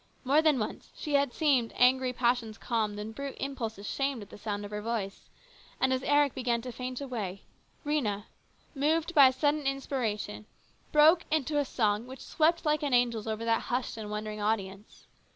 More than once she had seen angry passions calmed and brute impulses shamed at the sound of her voice, and as Eric began to faint away, Rhena, moved by a 156 HIS BROTHER'S KEEPER. sudden inspiration, broke into a song which swept like an angel's over that hushed and wondering audience.